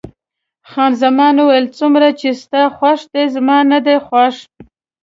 خان زمان وویل: څومره چې ستا خوښ دی، زما نه دی خوښ.